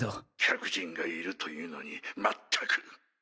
客人がいるというのにまったく。